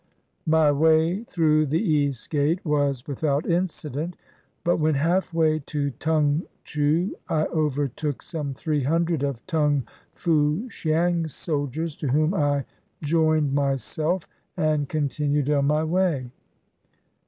My way through the East Gate was without incident ; but when halfway to Tung Chou I overtook some three hundred of Tung Fuhsiang's soldiers to whom I joined myself and continued on my way.